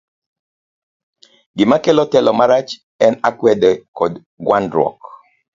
Gima kelo telo marach en akwede koda gwandruok.